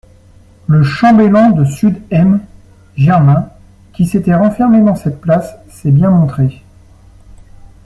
Le chambellan de sud M., Germain, qui s'était renfermé dans cette place, s'est bien montré.